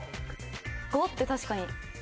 ５って確かに。